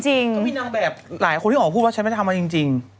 ก็มีนางแบบหลายคนที่ออกมาพูดว่าฉันไม่ได้ทำมาจริง